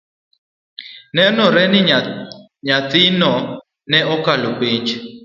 Nenore ni nyathinino ne okalo penj